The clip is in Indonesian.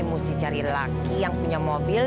mesti cari laki yang punya mobil